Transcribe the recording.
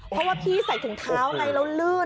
เพราะว่าพี่ใส่ถุงเท้าไงแล้วลื่น